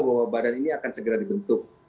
bahwa badan ini akan segera dibentuk